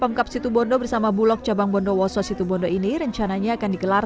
angka situ bondo bersama bulog cabang bondo woso situ bondo ini rencananya akan digelar